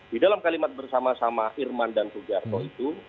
di dalam kalimat bersama sama irman dan sugiarto itu